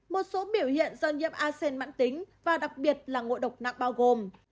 một số biểu hiện do nhiễm a sen mạng tính và đặc biệt là ngộ độc nặng bao gồm